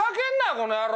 この野郎！